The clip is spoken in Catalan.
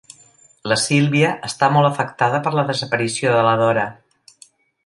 La Sílvia està molt afectada per la desaparició de la Dora.